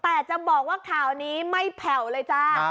แต่จะบอกว่าข่าวนี้ไม่แผ่วเลยจ้า